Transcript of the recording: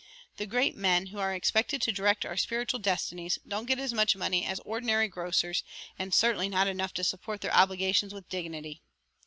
The great men who are expected to direct our spiritual destinies don't get as much money as many ordinary grocers and certainly not enough to support their obligations with dignity.